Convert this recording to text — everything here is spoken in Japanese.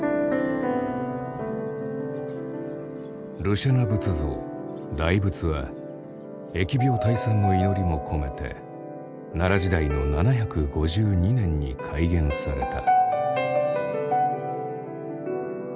廬舎那仏像大仏は疫病退散の祈りも込めて奈良時代の７５２年に開眼された。